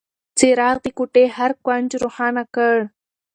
څراغ د کوټې هر کونج روښانه کړ.